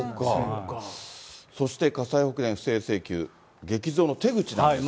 そして火災保険不正請求、激増手口なんですが。